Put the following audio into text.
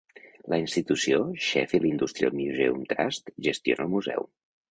La institució Sheffield Industrial Museums Trust gestiona el museu.